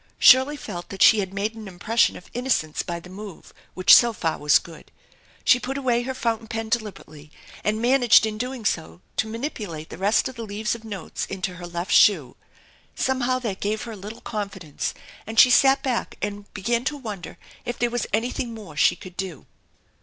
Shirley felt that she had made an impression of innocence by the move which so far was good. She put away her fountain pen deliberately, and managed in so doing to manipulate the rest of the leaves of notes into her left shoe. Somehow that gave her a little confidence and she sat back and began to wonder if there was anything more she could do.